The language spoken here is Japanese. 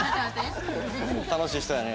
楽しい人やね。